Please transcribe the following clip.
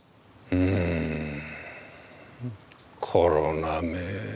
うんコロナめ。